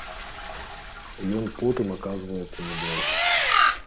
Ён потым аказваецца неблагім.